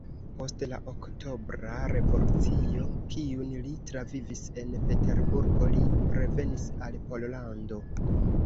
Post la Oktobra Revolucio, kiun li travivis en Peterburgo, li revenis al Pollando.